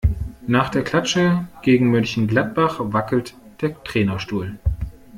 Nach der Klatsche gegen Mönchengladbach wackelt der Trainerstuhl.